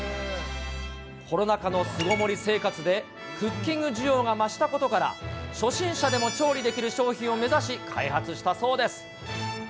コロナ禍の巣ごもり生活で、クッキング需要が増したことから、初心者でも調理できる商品を目指し、開発したそうです。